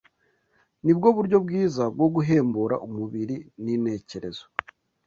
ni bwo buryo bwiza bwo guhembura umubiri n’intekerezo